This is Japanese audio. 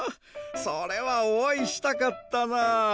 それはおあいしたかったな。